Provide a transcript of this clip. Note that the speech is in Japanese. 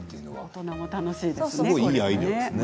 大人も楽しいですね。